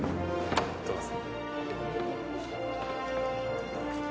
どうぞ。